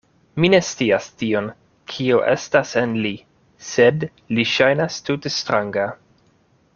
Mi ne scias tion, kio estas en li; sed li ŝajnas tute stranga.